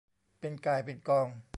เป็นก่ายเป็นกอง